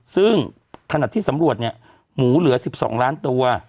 ซึ่งถนัดที่สำรวจหมูเหลือ๑๒ล้านตัว